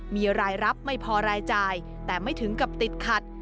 มีรายรับไม่พอรายจ่ายแต่ไม่ถึงกับติดขัด